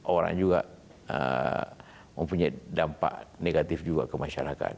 orang juga mempunyai dampak negatif juga ke masyarakat